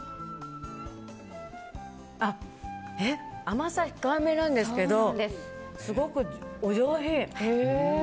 甘さ控えめなんですけどすごくお上品。